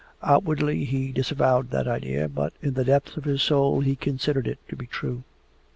Outwardly he disavowed that idea, but in the depths of his soul he considered it to be true.